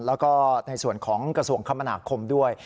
แล้วก็ในส่วนของกระทรวงคมนาคมด้วย